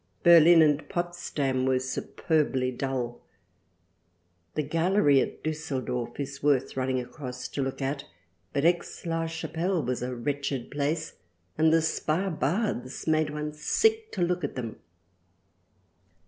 Berlin & Potsdam were superbly dull. The Gallery at Dusseldorf is worth running across to look at ; but Aix la Chapelle was a wretched Place and the Spa Baths made one 48 THRALIANA sick to look at them.